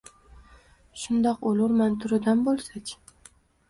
Shundoq o‘lurman turidan bo‘lsa-chi?